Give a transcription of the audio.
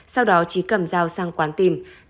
sau đó trí cầm dao sang quán tìm